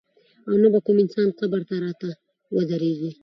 او نه به کوم انسان قبر ته راته ودرېږي.